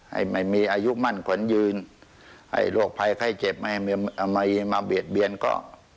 ให้ไม่มีอายุมั่นขวัญยืนให้โรคภัยไข้เจ็บไม่มาเบียดเบียนก็